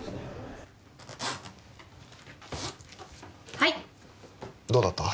はいどうだった？